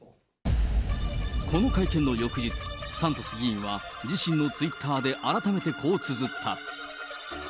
この会見の翌日、サントス議員は自身のツイッターで、改めてこうつづった。